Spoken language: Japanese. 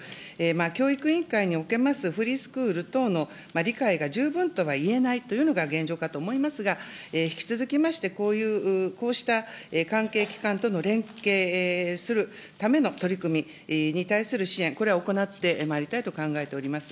教育委員会におけますフリースクール等の理解が十分とはいえないというのが現状かと思いますが、引き続きまして、こうした関係機関との連携するための取り組みに対する支援、これは行ってまいりたいと考えております。